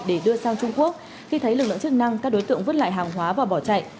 để đưa sang trung quốc khi thấy lực lượng chức năng các đối tượng vứt lại hàng hóa và bỏ chạy